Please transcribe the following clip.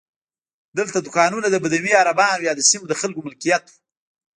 دلته دوکانونه د بدوي عربانو یا د سیمې د خلکو ملکیت وو.